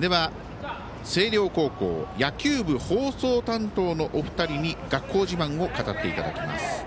では、星稜高校野球部放送担当のお二人に学校自慢を語っていただきます。